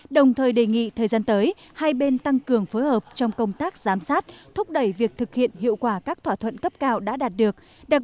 đồng thời đề nghị thời gian tới hai bên tăng cường phối hợp trong công tác giám sát thúc đẩy việc thực hiện hiệu quả các thỏa thuận cấp cao đã đạt được